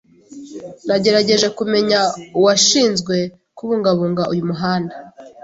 Nagerageje kumenya uwashinzwe kubungabunga uyu muhanda.